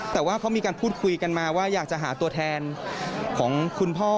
แต่ว่าเขามีการพูดคุยกันมาว่าอยากจะหาตัวแทนของคุณพ่อ